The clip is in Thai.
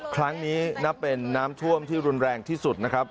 ครั้งนี้นับเป็นน้ำท่วมที่รุนแรงที่สุดนะครับ